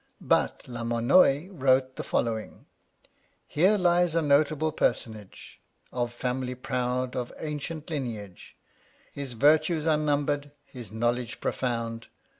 But La Monnoye wrote the following : Here lies a notable personage, Of family proud, of ancient lineage ; His virtues unnumbered, his knowledge profound.